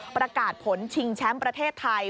ประกาศผลชิงแชมป์ประเทศไทย